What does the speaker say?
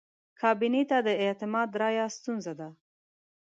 کابینې ته د اعتماد رایه ستونزه ده.